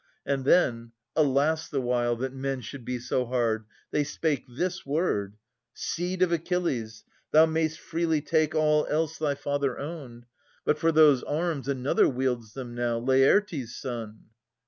And then, — alas the while. That men should be so hard !— they spake this word :' Seed of Achilles, thou may'st freely take All else thy father owned, but for those arms. Another wields them now, Laertes' son.'